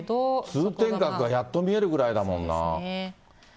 通天閣がやっと見えるぐらいだもんな。